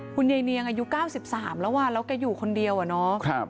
คุณยายเนียงอายุ๙๓แล้วแล้วแกอยู่คนเดียวอะเนาะ